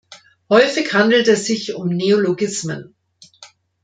Häufig handelt es sich um Neologismen.